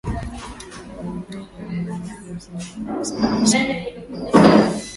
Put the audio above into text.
wa unywele wa mwanadamu Zinaweza kusababisha uharibifu